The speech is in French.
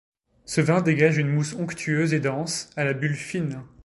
Ce vin dégage une mousse onctueuse et dense, à la bulle fine.